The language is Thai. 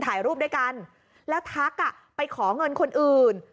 ถ่ายรูปด้วยกันแล้วทักอ่ะไปขอเงินคนอื่น